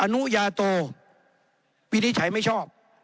นุญาโตวินิจฉัยไม่ชอบ